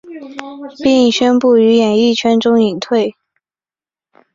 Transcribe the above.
并宣布于演艺圈中隐退。